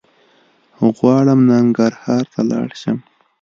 غواړم ننګرهار ته لاړ شم